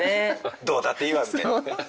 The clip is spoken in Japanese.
どうだっていいわみたいな。